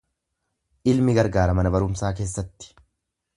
Ilmi gargaara mana barumsaa keessatti.